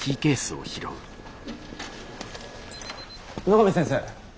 野上先生。